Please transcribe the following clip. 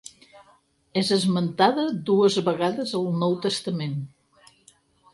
És esmentada dues vegades al Nou Testament.